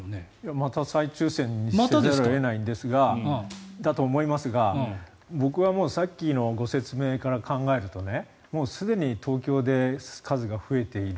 また再抽選にせざるを得ないんだと思いますが僕はさっきのご説明から考えるともうすでに東京で数が増えている。